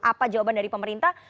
apa jawaban dari pemerintah